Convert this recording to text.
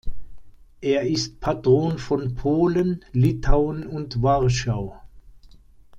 Er ist Patron von Polen, Litauen und Warschau.